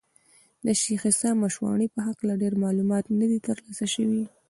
د شېخ عیسي مشواڼي په هکله ډېر معلومات نه دي تر لاسه سوي دي.